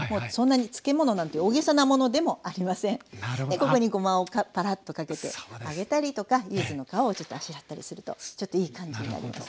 ここにごまをパラッとかけてあげたりとかゆずの皮をちょっとあしらったりするとちょっといい感じになります。